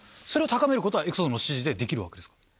それを高めることはエクソソームの指示でできるわけですか？